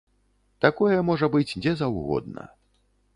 Такое можа быць дзе заўгодна!